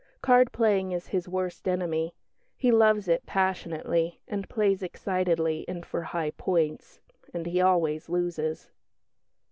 Card playing is his worst enemy. He loves it passionately, and plays excitedly and for high points and he always loses."